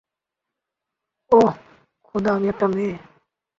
ওহ, খোদা, আমি একটা মেয়ে।